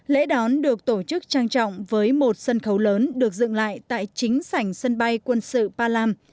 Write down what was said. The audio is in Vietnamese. lễ đón được tổ chức trang trọng với một sân khấu lớn được dựng lại tại chính sảnh sân bay quân sự palam